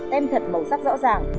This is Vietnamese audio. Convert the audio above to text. tem thật màu sắc rõ ràng